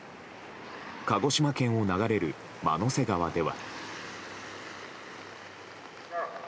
鹿児島県を流れる万之瀬川では。